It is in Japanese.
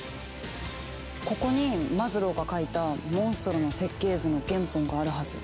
ここにマズローが描いたモンストロの設計図の原本があるはず。